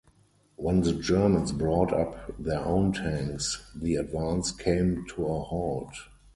When the Germans brought up their own tanks, the advance came to a halt.